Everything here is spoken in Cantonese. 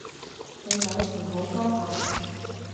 你有時好多口